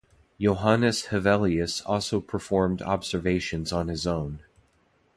Johannes Hevelius also performed observations on his own.